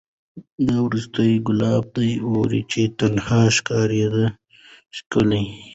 دا وروستی ګلاب د اوړي چي تنها ښکاریږي ښکلی